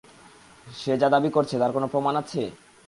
সে যা দাবি করছে তার কোন প্রমাণ আছে?